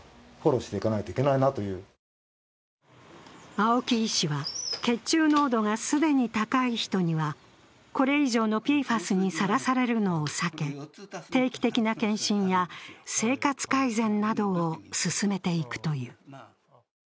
青木医師は、血中濃度が既に高い人にはこれ以上のＰＦＡＳにさらされるのを避け、定期的な健診や生活改善などを勧めていくという。